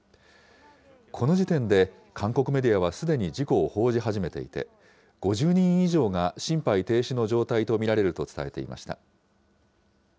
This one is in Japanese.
この時点で、韓国メディアはすでに事故を報じ始めていて、５０人以上が心肺停止の状態と見られると伝えていました。